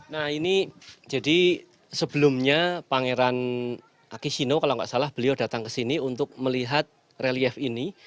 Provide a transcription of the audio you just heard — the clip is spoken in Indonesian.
nah ini jadi sebelumnya pangeran akishino kalau nggak salah beliau datang ke sini untuk melihat relief ini